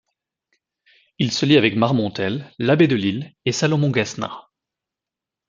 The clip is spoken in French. Il se lie avec Marmontel, l’abbé Delille et Salomon Gessner.